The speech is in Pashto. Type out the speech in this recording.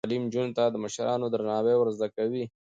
تعلیم نجونو ته د مشرانو درناوی ور زده کوي.